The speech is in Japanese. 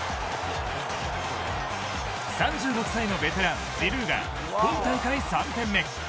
３６歳のベテラン・ジルーが今大会３点目。